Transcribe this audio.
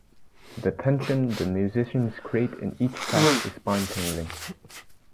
The tension the musicians create in each track is spine tingling.